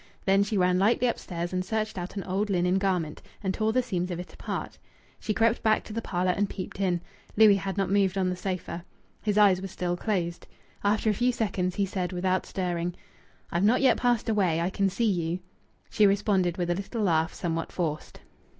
Then she ran lightly upstairs and searched out an old linen garment and tore the seams of it apart. She crept back to the parlour and peeped in. Louis had not moved on the sofa. His eyes were still closed. After a few seconds, he said, without stirring "I've not yet passed away. I can see you." She responded with a little laugh, somewhat forced.